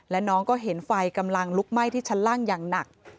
และน้องก็เห็นไฟกำลังลุกไหม้ที่ชั้นล่างอย่างหนัก